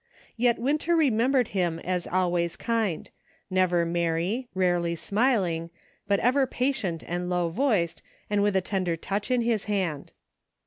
Yet Winter remembered him as always kind ; never merry, rarely smiling, but ever patient and low voiced, and with a tender touch in his hand.